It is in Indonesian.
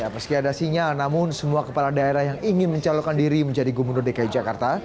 meski ada sinyal namun semua kepala daerah yang ingin mencalonkan diri menjadi gubernur dki jakarta